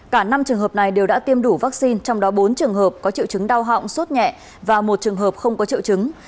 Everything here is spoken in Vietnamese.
cả năm trường hợp này đều đã tiêm đủ vaccine trong đó bốn trường hợp có triệu chứng đau họng sốt nhẹ và một trường hợp không có triệu chứng